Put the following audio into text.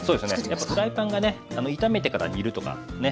やっぱフライパンがね炒めてから煮るとかね